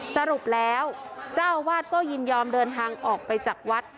สรุปแล้วเจ้าอาวาสก็ยินยอมเดินทางออกไปจากวัด